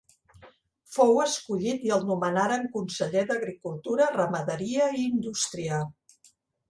Fou escollit i el nomenaren conseller d'agricultura, ramaderia i indústria.